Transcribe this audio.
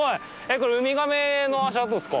┐これウミガメの足跡ですか？